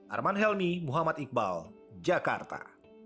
arman helmi muhammad iqbal jakarta